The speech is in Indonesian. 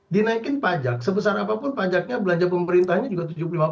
dinaikin pajak sebesar apapun pajaknya belanja pemerintahnya juga tujuh puluh lima